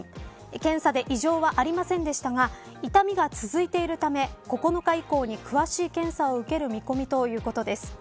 検査で異常はありませんでしたが痛みが続いているため９日以降に詳しい検査を受ける見込みということです。